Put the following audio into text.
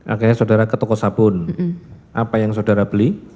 akhirnya saudara ke toko sabun apa yang saudara beli